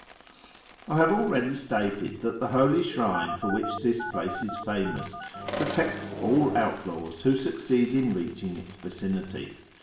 I have already stated that the holy shrine for which this place is I famous protects all outlaws who succeed in reaching its vicinity.